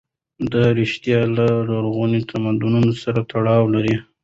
دا ريښې له لرغونو تمدنونو سره تړاو لري.